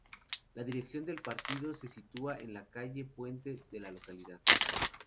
La dirección del partido se sitúa en la Calle Puente de la localidad.